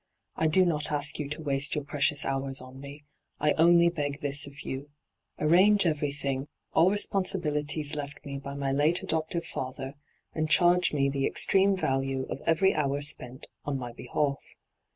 I do not ask you to waste your precious hours on me ; I only beg this of you : ap ange every thing, all responsibilities left me by my late adoptive father, and charge me the extreme value of every hour spent on my behalf.